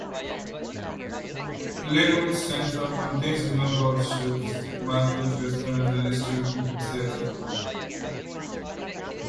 Lynwood Center contains a number of shops, markets, restaurants and a historic movie theater.